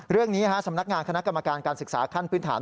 เรื่องนี้สำนักงานคณะกรรมการการศึกษาขั้นพื้นฐาน